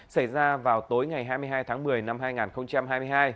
xảy ra vào tối ngày hai mươi hai tháng một mươi năm hai nghìn hai mươi hai